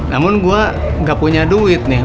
namun gue gak punya duit nih